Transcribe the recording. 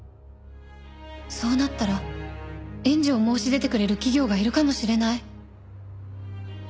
「そうなったら援助を申し出てくれる企業がいるかもしれない」